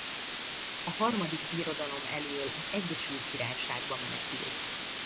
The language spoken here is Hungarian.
A Harmadik Birodalom elől az Egyesült Királyságba menekült.